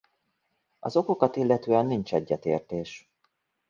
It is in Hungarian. Az okokat illetően nincs egyetértés.